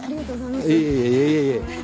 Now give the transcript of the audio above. いえいえ。